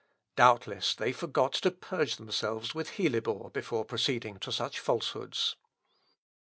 Doubtless, they forgot to purge themselves with hellebore before proceeding to such falsehoods."